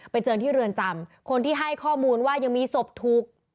ไปเจอที่เรือนจำคนที่ให้ข้อมูลว่ายังมีศพถูก